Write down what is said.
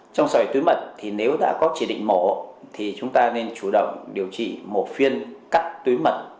trong xòe túi mật thì nếu đã có chỉ định mổ thì chúng ta nên chủ động điều trị một phiên cắt tuyến mật